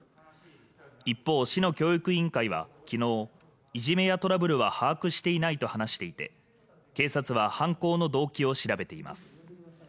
一方、市の教育委員会は昨日、いじめやトラブルは把握していないと話していて警察は犯行の動機を調べています。